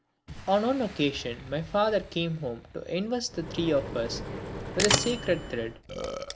On one occasion my father came home to invest the three of us with the sacred thread.